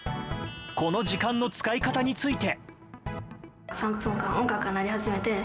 この時間の使い方について。